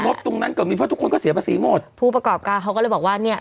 บตรงนั้นก็มีเพราะทุกคนก็เสียภาษีหมดผู้ประกอบการเขาก็เลยบอกว่าเนี้ย